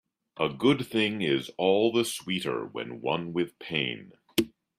A good thing is all the sweeter when won with pain.